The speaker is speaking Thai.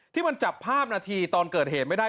ที่มันจับภาพนาทีตอนเกิดเหตุไม่ได้